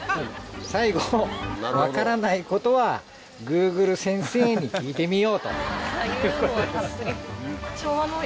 最後「わからない事はグーグル先生に聞いてみよう」と。